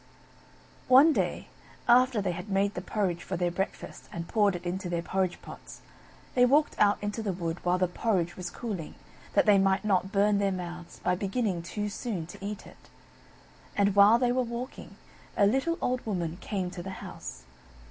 One day, after they had made the porridge for their breakfast, and poured it into their porridge pots, they walked out into the wood while the porridge was cooling, that they might not burn their mouths, by beginning too soon to eat it. And while they were walking, a little old Woman came to the house.